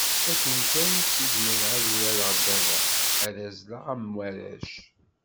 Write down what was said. Akken kan i ttizmireɣ ad urareɣ ddabex, ad azleɣ am warrac.